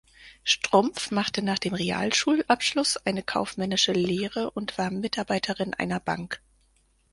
Strumpf machte nach dem Realschulabschluss eine kaufmännische Lehre und war Mitarbeiterin einer Bank.